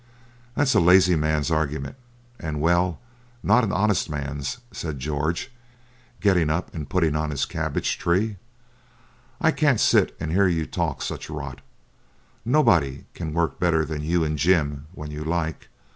'That's a lazy man's argument, and well, not an honest man's,' said George, getting up and putting on his cabbage tree. 'I can't sit and hear you talk such rot. Nobody can work better than you and Jim, when you like.